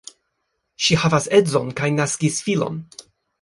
Ŝi havas edzon kaj naskis filon.